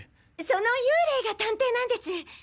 その幽霊が探偵なんです！